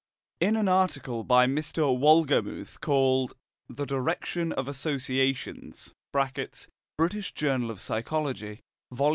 In an article by Mr. Wohlgemuth, called "The Direction of Associations" ("British Journal of Psychology," vol.